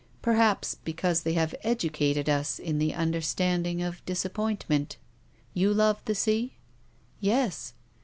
Perhaps, because they have educated us in the understanding of disap pointment. You love the sea?" " Yes."